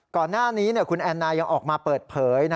ก่อนหน้านี้คุณแอนนายังออกมาเปิดเผย